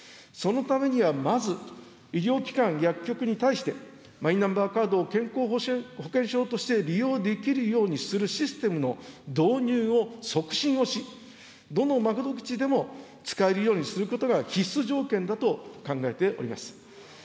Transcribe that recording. そのためにはまず、医療機関、薬局に対してマイナンバーカードを健康保険証として利用できるようにするシステムの導入を促進をし、どの窓口でも使えるようにすることが必須条件だと考えております。